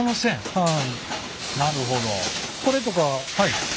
はい。